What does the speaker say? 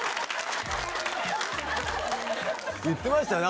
言ってましたよね